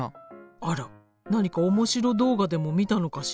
あら何か面白動画でも見たのかしら？